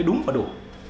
đúng và đủ